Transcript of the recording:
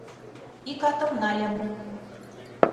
Ик атым нальым.